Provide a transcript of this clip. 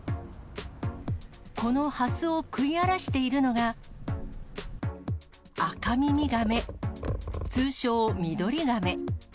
このハスを食い荒らしているのが、アカミミガメ、通称、ミドリガメ。